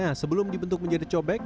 nah sebelum dibentuk menjadi cobek